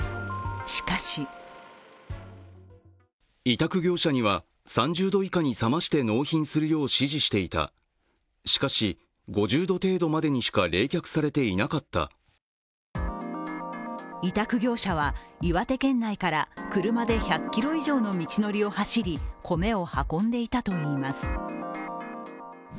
しかし委託業者は岩手県内から車で１００ｋｍ以上の道のりを走り米を運んでいたといいます。